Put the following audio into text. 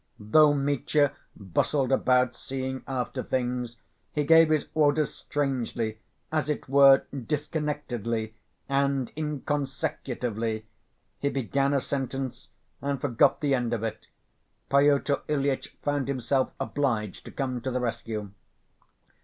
Though Mitya bustled about seeing after things, he gave his orders strangely, as it were disconnectedly, and inconsecutively. He began a sentence and forgot the end of it. Pyotr Ilyitch found himself obliged to come to the rescue.